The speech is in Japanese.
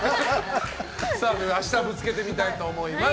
明日、ぶつけてみたいと思います。